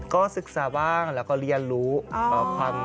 ก็ศึกษาบ้างแล้วก็เรียนรู้ความ